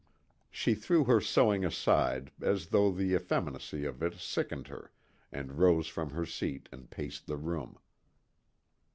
She threw her sewing aside as though the effeminacy of it sickened her, and rose from her seat and paced the room.